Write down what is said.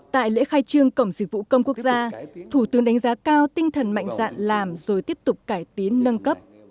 tại lễ khai trương cổng dịch vụ công quốc gia thủ tướng đánh giá cao tinh thần mạnh dạn làm rồi tiếp tục cải tiến nâng cấp